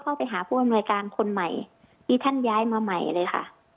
ไปหาผู้อำนวยการคนใหม่ที่ท่านย้ายมาใหม่เลยค่ะ